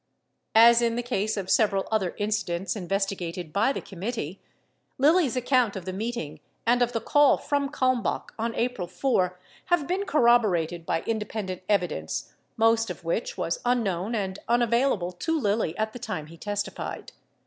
As in the case of several other incidents investigated by the committee, Lilly's ac count of the meeting and of the call from Kalmbach on April 4 have been corroborated by independent evidence, most of which was un known and unavailable to Lilly at the time he testified.